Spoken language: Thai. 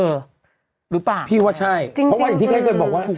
หรือเปล่าจริงคือถูกไหมคะพี่ว่าใช่เพราะว่าอย่างที่เค้าเคยบอกว่า